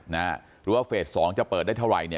หรือว่าเฟส๒จะเปิดได้เท่าไร